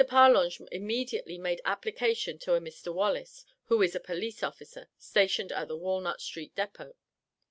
Parlange immediately made application to a Mr. Wallace, who is a Police officer stationed at the Walnut street depot.